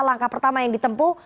langkah pertama yang ditempu